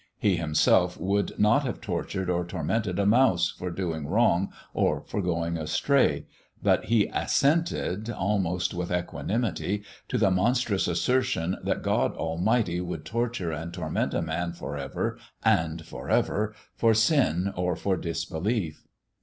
He himself would not have tortured or tormented a mouse for doing wrong or for going astray, but he assented, almost with equanimity, to the monstrous assertion that God Almighty would torture and torment a man forever and forever for sin or for disbelief.